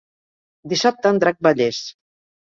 Dissabte en Drac va a Llers.